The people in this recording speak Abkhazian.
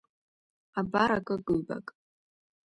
Абар акык-ҩбак…